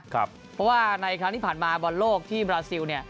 เพราะว่าในครั้งที่ผ่านมาบอลโลกที่บราซิล